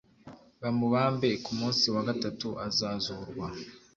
bamubambe ku munsi wa gatatu azazurwa